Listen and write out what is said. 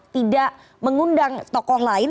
tidak mengundang tokoh lain